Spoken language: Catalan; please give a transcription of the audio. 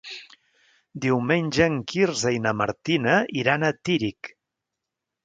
Diumenge en Quirze i na Martina iran a Tírig.